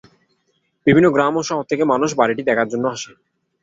বিভিন্ন গ্রাম ও শহর থেকে মানুষ বাড়িটি দেখার জন্য আসে।